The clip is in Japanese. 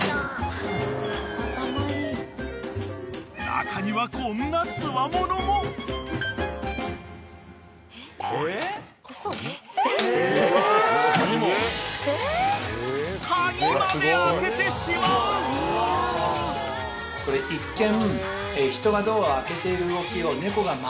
［中にはこんなつわものも］一見。